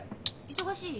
忙しい？